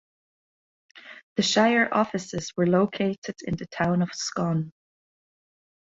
The shire offices were located in the town of Scone.